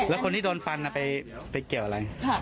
แล้วคนที่โดนฟันไปเกี่ยวอะไร